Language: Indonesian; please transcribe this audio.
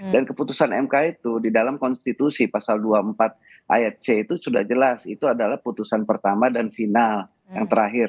dan keputusan mk itu di dalam konstitusi pasal dua puluh empat ayat c itu sudah jelas itu adalah putusan pertama dan final yang terakhir